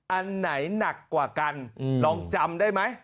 อันไหนหนักกว่ากันลองจำได้ไหม